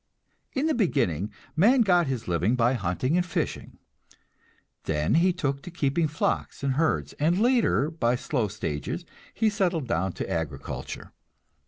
In the beginning man got his living by hunting and fishing. Then he took to keeping flocks and herds, and later by slow stages he settled down to agriculture.